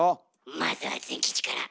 まずはズン吉から。